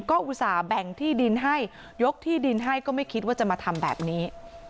ก็อุตส่าห์แบ่งที่ดินให้ยกที่ดินให้ก็ไม่คิดว่าจะมาทำแบบนี้